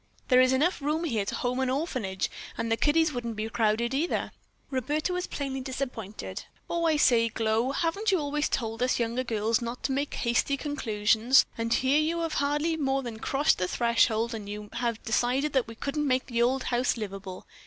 "There is enough room here to home an orphanage, and the kiddies wouldn't be crowded, either." Roberta was plainly disappointed. "Oh, I say, Glow, haven't you always told us younger girls not to make hasty conclusions, and here you have hardly more than crossed the threshold and you have decided that we couldn't make the old house livable.